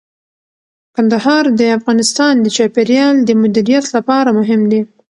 کندهار د افغانستان د چاپیریال د مدیریت لپاره مهم دي.